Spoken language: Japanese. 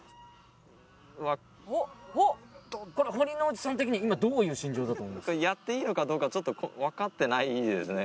うわっこれ堀之内さん的に今どういう心情だと思いますかやっていいのかどうかちょっとわかってないですね